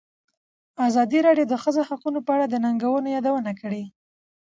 ازادي راډیو د د ښځو حقونه په اړه د ننګونو یادونه کړې.